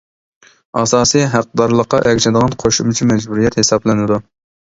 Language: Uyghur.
ئاساسى ھەقدارلىققا ئەگىشىدىغان قوشۇمچە مەجبۇرىيەت ھېسابلىنىدۇ.